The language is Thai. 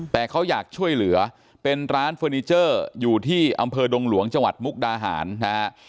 แต่เขาอยากช่วยเหลือเป็นร้านเฟอร์นิเจอร์อยู่ที่อำเภอดงหลวงจังหวัดมุกดาหารนะฮะ